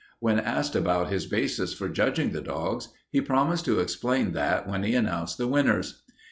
When asked about his basis for judging the dogs, he promised to explain that when he announced the winners.